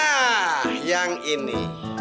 nah yang ini